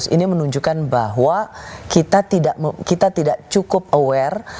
ini menunjukkan bahwa kita tidak cukup aware